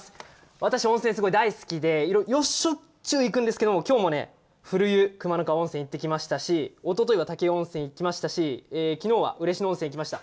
私は温泉が大好きでしょっちゅう行くんですけど今日も古湯・熊の川温泉行ってきましたしおとといは武雄温泉に行きましたし昨日は嬉野温泉に行きました。